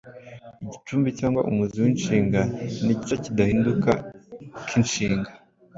Igicumbi cyangwa umuzi w’inshinga ni igice kidahinduka k’inshinga,